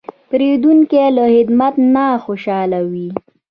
پیرودونکی له خدمت نه خوشاله و.